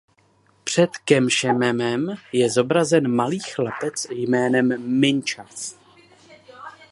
Před Kaemsechemem je zobrazen malý chlapec jménem Minchaf.